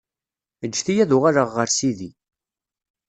ǧǧet-iyi ad uɣaleɣ ɣer sidi.